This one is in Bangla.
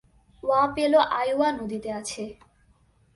ওয়াপেলো আইওয়া নদীতে আছে.